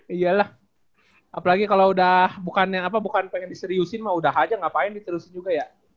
iya lah apalagi kalau udah bukan yang apa bukan pengen diseriusin mah udah aja ngapain diterusin juga ya